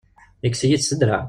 Yekkes-iyi-tt s draɛ.